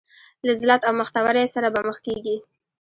له ذلت او مختورۍ سره به مخ کېږي.